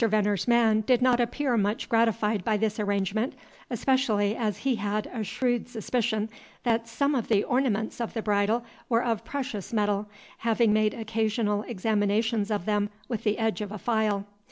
Veneer's man did not appear much gratified by this arrangement, especially as he had a shrewd suspicion that some of the ornaments of the bridle were of precious metal, having made occasional examinations of them with the edge of a file.